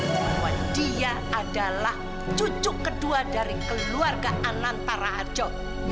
bahwa dia adalah cucu kedua dari keluarga anantara harjo